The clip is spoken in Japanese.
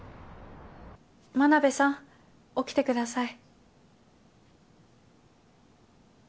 真鍋さん起きてください。